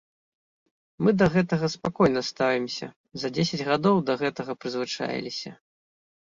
Мы да гэтага спакойна ставімся, за дзесяць гадоў да гэтага прызвычаіліся.